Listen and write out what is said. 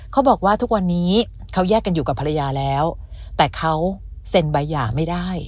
เขาบอกว่าทุกวันนี้เขาแยกกันอยู่กับภรรยาแล้วแต่เขาเซ็นใบหย่าไม่ได้